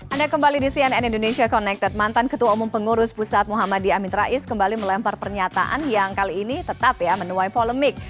anda kembali di cnn indonesia connected mantan ketua umum pengurus pusat muhammadiyah amin rais kembali melempar pernyataan yang kali ini tetap ya menuai polemik